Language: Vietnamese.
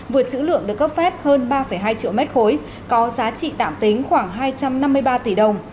vượt chữ lượng được cấp phép hơn ba hai triệu mét khối có giá trị tạm tính khoảng hai trăm năm mươi ba tỷ đồng